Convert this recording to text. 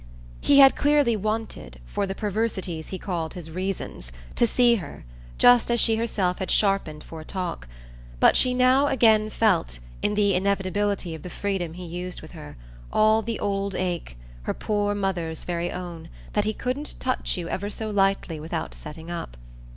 He had clearly wanted, for the perversities he called his reasons, to see her, just as she herself had sharpened for a talk; but she now again felt, in the inevitability of the freedom he used with her, all the old ache, her poor mother's very own, that he couldn't touch you ever so lightly without setting up.